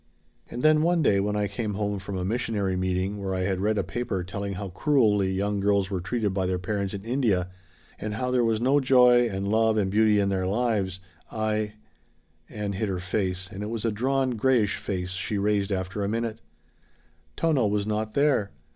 "And then one day when I came home from a missionary meeting where I had read a paper telling how cruelly young girls were treated by their parents in India, and how there was no joy and love and beauty in their lives, I " Ann hid her face and it was a drawn, grayish face she raised after a minute "Tono was not there.